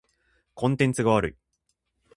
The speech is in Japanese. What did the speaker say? コンテンツが悪い。